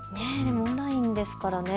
オンラインですからね。